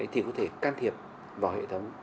thì có thể can thiệp vào hệ thống